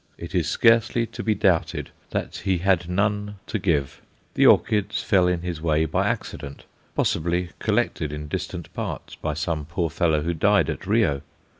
It is scarcely to be doubted that he had none to give. The orchids fell in his way by accident possibly collected in distant parts by some poor fellow who died at Rio.